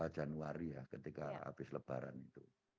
dua januari ya ketika habis lebaran itu